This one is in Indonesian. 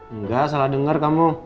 enggak salah denger kamu